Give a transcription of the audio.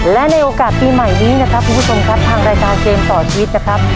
และในโอกาสปีใหม่นี้นะครับคุณผู้ชมครับทางรายการเกมต่อชีวิตนะครับ